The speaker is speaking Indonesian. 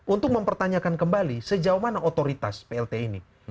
untuk mempertanyakan kembali sejauh mana otoritas plt ini